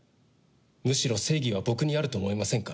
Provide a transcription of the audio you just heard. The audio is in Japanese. むしろ正義は僕にあると思いませんか？